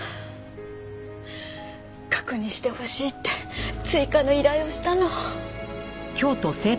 確認してほしいって追加の依頼をしたの。